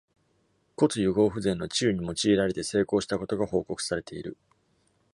骨癒合不全の治癒に用いられて成功したことが報告されている。